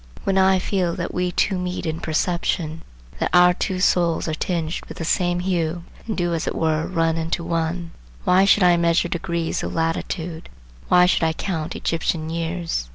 When I feel that we two meet in a perception, that our two souls are tinged with the same hue, and do as it were run into one, why should I measure degrees of latitude, why should I count Egyptian years?